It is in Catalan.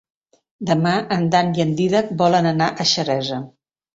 Demà en Dan i en Dídac volen anar a Xeresa.